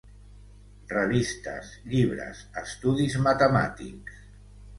Revistes, llibres, estudis matemàtics.